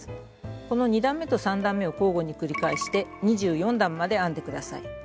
この２段めと３段めを交互に繰り返して２４段まで編んで下さい。